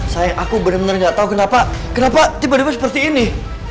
sayang aku bener bener gak tau kenapa kenapa tiba tiba seperti ini